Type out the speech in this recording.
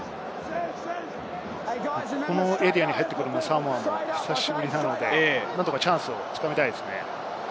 このエリアに入ってくるのはサモアは久しぶりなので、何とかチャンスをつかみたいですね。